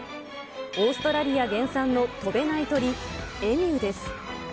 オーストラリア原産の飛べない鳥、エミューです。